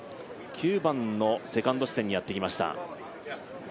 ９番のセカンド地点にやってきました。